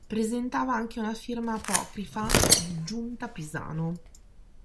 Presentava anche una firma apocrifa di Giunta Pisano.